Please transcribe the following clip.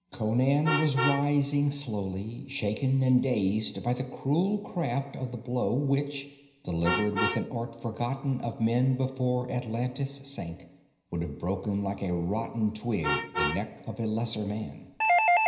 Conan was rising slowly, shaken and dazed by the cruel craft of that blow which, delivered with an art forgotten of men before Atlantis sank, would have broken like a rotten twig the neck of a lesser man.